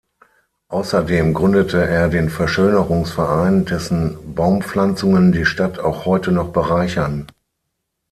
Außerdem gründete er den Verschönerungsverein, dessen Baumpflanzungen die Stadt auch heute noch bereichern.